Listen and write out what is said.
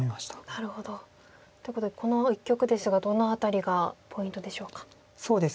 なるほど。っていうことでこの一局ですがどの辺りがポイントでしょうか。